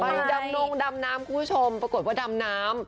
ดำนงดำน้ำคุณผู้ชมปรากฏว่าดำน้ำ